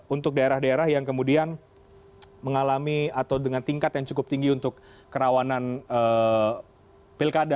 untuk daerah daerah yang kemudian mengalami atau dengan tingkat yang cukup tinggi untuk kerawanan pilkada